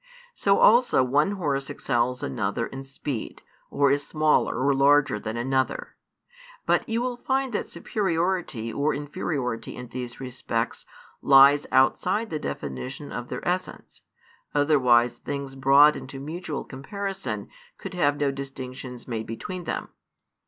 So also one horse excels another in speed, or is smaller or larger than another; but you will find that superiority or inferiority in these respects lies outside the definition of their essence, otherwise things brought into mutual comparison could have no distinctions made between them.